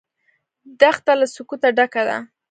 دښته له سکوته ډکه ده.